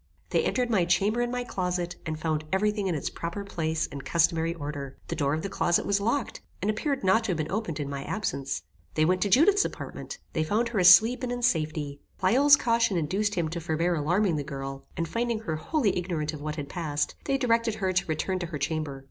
They entered my chamber and my closet, and found every thing in its proper place and customary order. The door of the closet was locked, and appeared not to have been opened in my absence. They went to Judith's apartment. They found her asleep and in safety. Pleyel's caution induced him to forbear alarming the girl; and finding her wholly ignorant of what had passed, they directed her to return to her chamber.